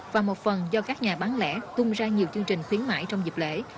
và một phần do các nhà bán lẻ tung ra nhiều chương trình khuyến mại trong dịp lễ